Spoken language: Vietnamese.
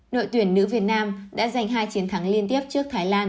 đội tuyển nữ việt nam đã giành hai chiến thắng liên tiếp trước thái lan